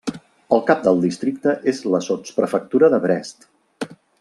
El cap del districte és la sotsprefectura de Brest.